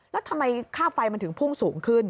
แล้วทำไมค่าไฟมันถึงพุ่งสูงขึ้น